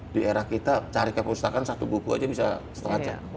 di era kita cari kepustakaan satu buku aja bisa setengah jam